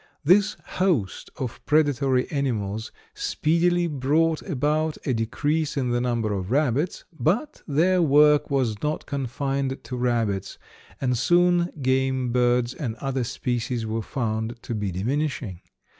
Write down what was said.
This host of predatory animals speedily brought about a decrease in the number of rabbits, but their work was not confined to rabbits, and soon game birds and other species were found to be diminishing.